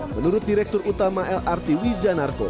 menurut direktur utama lrt wijanarko